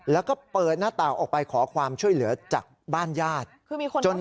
แล้วก็เปิดหน้าต่างออกไปขอความช่วยเหลือจากบ้านญาติจน